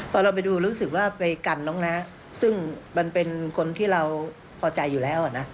พอเราไปดูรู้สึกว่าไปกันน้องน้าซึ่งมันเป็นคนที่เราพอใจอยู่แล้วนะ